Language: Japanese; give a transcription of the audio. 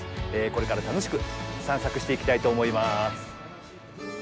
これから楽しく散策していきたいと思いまーす。